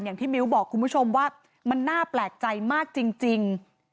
มิ้วบอกคุณผู้ชมว่ามันน่าแปลกใจมากจริง